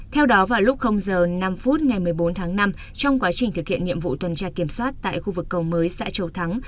theo đó vào lúc giờ năm phút ngày một mươi bốn tháng năm trong quá trình thực hiện nhiệm vụ tuần tra kiểm soát tại khu vực cầu mới xã châu thắng